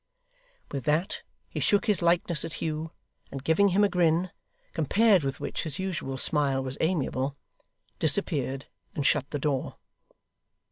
With that, he shook his likeness at Hugh, and giving him a grin, compared with which his usual smile was amiable, disappeared, and shut the door.